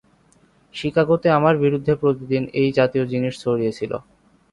শিকাগোতে আমার বিরুদ্ধে প্রতিদিন এই জাতীয় জিনিস ছড়িয়ে ছিল।